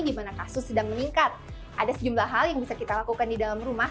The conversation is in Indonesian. di mana kasus sedang meningkat ada sejumlah hal yang bisa kita lakukan di dalam rumah